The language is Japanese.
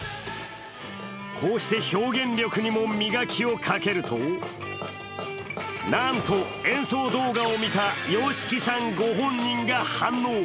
こうして表現力にも磨きをかけるとなんと、演奏動画を見たＹＯＳＨＩＫＩさんご本人が反応。